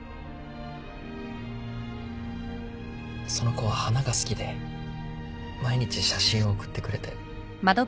その子は花が好きで毎日写真を送ってくれて。